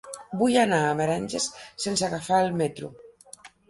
Vull anar a Meranges sense agafar el metro.